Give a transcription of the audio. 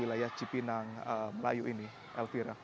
di wilayah cipinang melayu ini el tira